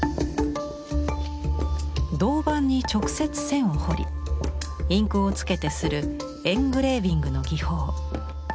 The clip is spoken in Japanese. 銅板に直接線を彫りインクをつけて刷るエングレービングの技法。